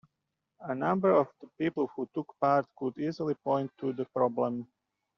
A number of the people who took part could easily point to the problem